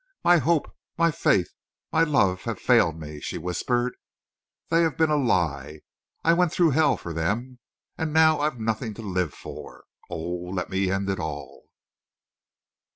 "My hope, my faith, my love have failed me," she whispered. "They have been a lie. I went through hell for them. And now I've nothing to live for.... Oh, let me end it all!"